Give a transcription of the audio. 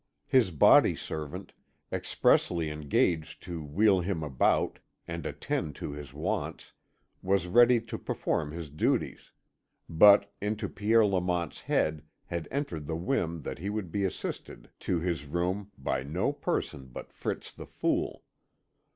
His body servant, expressly engaged to wheel him about and attend to his wants, was ready to perform his duties, but into Pierre Lamont's head had entered the whim that he would be assisted to his room by no person but Fritz the Fool.